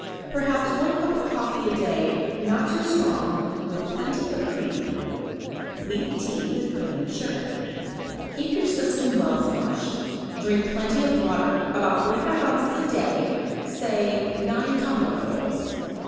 Perhaps one cup of coffee a day, not too strong, with plenty of cream. Weak tea with cream and sugar. Keep your system well flushed. Drink plenty of water, about 45 ounces a day, say nine tumblerfuls.